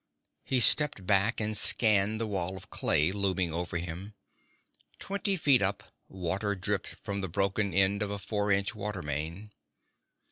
He stepped back and scanned the wall of clay looming over him. Twenty feet up, water dripped from the broken end of a four inch water main.